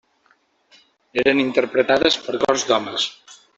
Eren interpretades per cors d'homes.